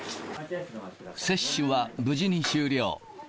接種は無事に終了。